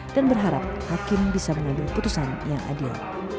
dan berharap hakim bisa menanggung putusan yang adil